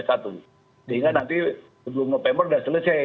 sehingga nanti sebelum november sudah selesai